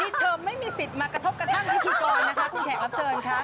เธอไม่มีสิทธิ์มากระทบกระทั่งพิธีกรนะคะคุณแขกรับเชิญค่ะ